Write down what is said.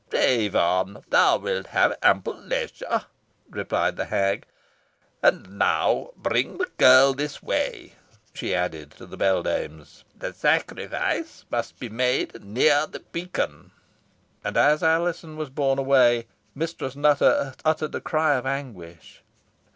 "Rave on, thou wilt have ample leisure," replied the hag. "And now bring the girl this way," she added to the beldames; "the sacrifice must be made near the beacon." And as Alizon was borne away, Mistress Nutter uttered a cry of anguish.